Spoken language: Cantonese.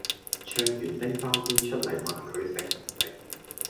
唱完拎包煙出黎問佢食唔食